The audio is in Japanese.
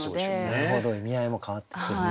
なるほど意味合いも変わってくる。